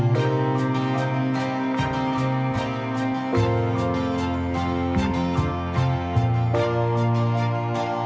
hẹn gặp lại